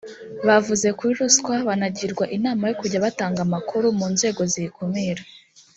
bavuze kuri ruswa banagirwa inama yo kujya batanga amakuru mu nzego ziyikumira